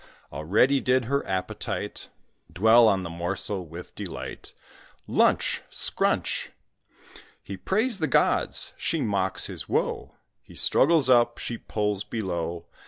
Already did her appetite Dwell on the morsel with delight, Lunch, Scrunch! He prays the gods; she mocks his woe; He struggles up; she pulls below.